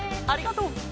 ありがとう！